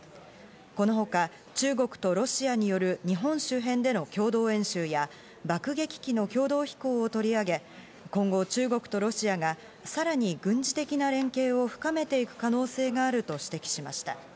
この他、中国とロシアによる日本周辺での共同演習や爆撃機の共同飛行を取り上げ、今後、中国とロシアがさらに軍事的な連携を深めていく可能性があると指摘しました。